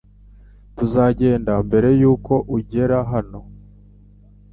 Tuzagenda mbere yuko ugera hano. (brymck)